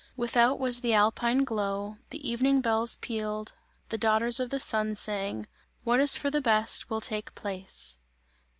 Without was the alpine glow; the evening bells pealed; the daughters of the Sun sang: "What is for the best will take place!"